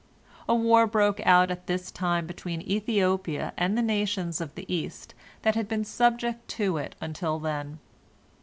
A war broke out at this time between Ethiopia and the nations of the East that had been subject to it until then.